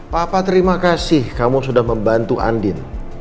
papa terima kasih kamu sudah membantu andin